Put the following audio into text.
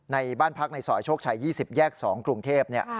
ในบ้านพักในซอยโชคชัย๒๐แยก๒กรุงเทพ